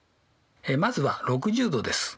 まずは６０°です。